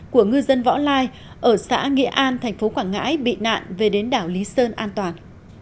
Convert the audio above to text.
của ngư dân võ lai ở xã nghị an tp quảng ngãi bị nạn về đến đảo lý sơn an toàn